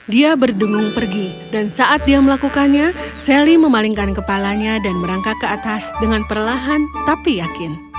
dia berdengung pergi dan saat dia melakukannya sally memalingkan kepalanya dan merangkak ke atas dengan perlahan tapi yakin